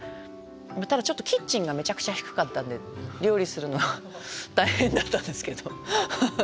ただちょっとキッチンがめちゃくちゃ低かったんで料理するの大変だったんですけど。